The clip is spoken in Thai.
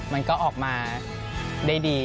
มันก็ออกมาได้ดี